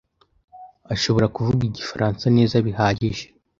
ashobora kuvuga igifaransa neza bihagije.